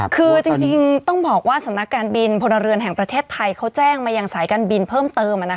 คือจริงต้องบอกว่าสำนักการบินพลเรือนแห่งประเทศไทยเขาแจ้งมายังสายการบินเพิ่มเติม